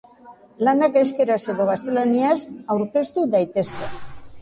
Lanak euskaraz edo gaztelaniaz aurkeztu daitezke.